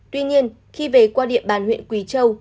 tuy nhiên khi về qua địa bàn huyện quỳ châu